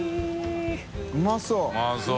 うまそう。